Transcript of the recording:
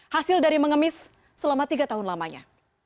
hasil dari mengemis selama tiga tahun lamanya